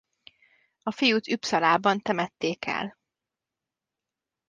A fiút Uppsalában temették el.